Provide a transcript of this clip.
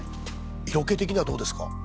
色気的にはどうですか？